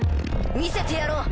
見せてやろう！